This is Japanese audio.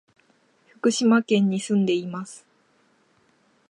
福島県に住んでいます。